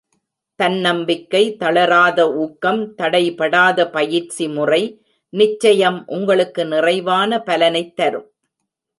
தன்னம்பிக்கை, தளராத ஊக்கம், தடைபடாத பயிற்சி முறை, நிச்சயம் உங்களுக்கு நிறைவான பலனைத் தரும்.